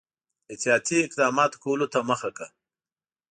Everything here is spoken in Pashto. احتیاطي اقداماتو کولو ته مخه کړه.